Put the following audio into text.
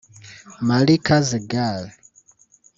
Malika Zeghal